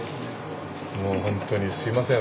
もうほんとにすいません。